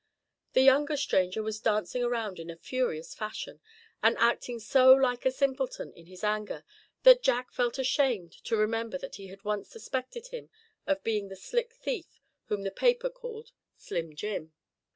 The younger stranger was dancing around in a furious fashion, and acting so like a simpleton in his anger that Jack felt ashamed to remember that he had once suspected him of being the slick thief whom the paper called Slim Jim.